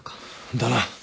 だな。